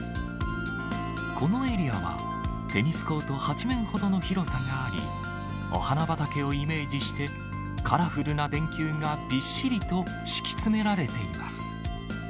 このエリアは、テニスコート８面ほどの広さがあり、お花畑をイメージして、カラフルな電球がびっしりと敷き詰められています。